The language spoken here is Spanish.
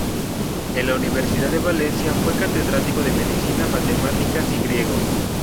En la Universidad de Valencia fue catedrático de medicina, matemáticas y griego.